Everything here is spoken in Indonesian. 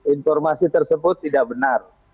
informasi tersebut tidak benar